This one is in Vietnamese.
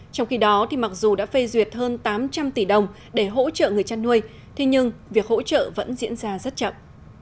trong khi đó mặc dù đã phê duyệt hơn tám trăm linh tỷ đồng để hỗ trợ người chăn nuôi thế nhưng việc hỗ trợ vẫn diễn ra rất chậm